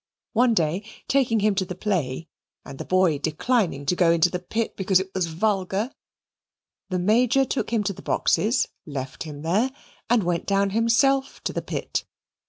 One day, taking him to the play, and the boy declining to go into the pit because it was vulgar, the Major took him to the boxes, left him there, and went down himself to the pit.